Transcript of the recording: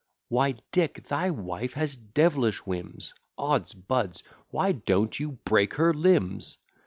Why, Dick, thy wife has devilish whims; Ods buds! why don't you break her limbs?